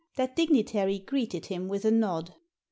That dignitary greeted him with a nod.